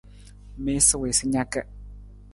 Miisa wii sa naka.